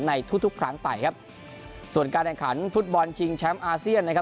ในทุกทุกครั้งไปครับส่วนการแข่งขันฟุตบอลชิงแชมป์อาเซียนนะครับ